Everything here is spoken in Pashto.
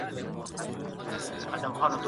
روڼ اندي شخصیتونه د درناوي وړ دي.